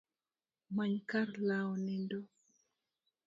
Many kar lawo nindo